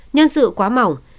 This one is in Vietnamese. nhân sự quá mỏng